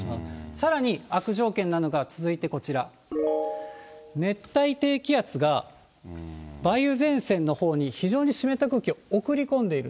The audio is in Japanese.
さらに悪条件なのが続いてこちら、熱帯低気圧が梅雨前線のほうに非常に湿った空気を送り込んでいる。